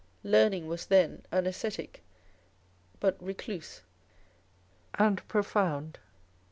Learning was then an ascetic, but recluse and profound.